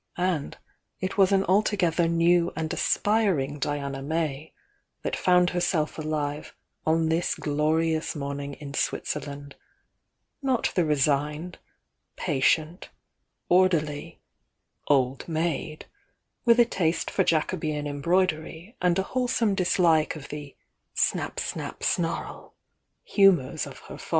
And it was an altogether new and aspiring Diana May that found herself alive on this glorious morning in Switzerland; not the resigned, patient, orderly "old maid" with a iaste for Jacobean embroidery and a wholesome dislike of the "snap snap snarl" humours of her father.